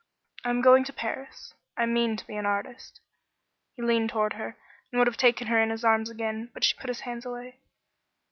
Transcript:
"I am going to Paris. I mean to be an artist." He leaned toward her and would have taken her in his arms again, but she put his hands away.